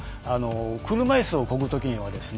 車いすをこぐときにはですね